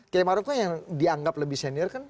kiai maruf kan yang dianggap lebih senior kan